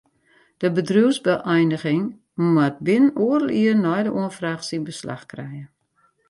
De bedriuwsbeëiniging moat binnen oardel jier nei de oanfraach syn beslach krije.